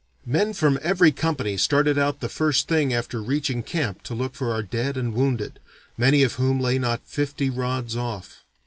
"Men from every company started out the first thing after reaching camp to look for our dead and wounded, many of whom lay not fifty rods off.